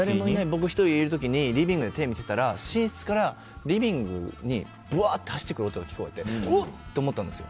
僕１人でいる時にリビングでテレビを見てたら寝室からリビングに走ってくる音が聞こえてうわって思ったんですよ。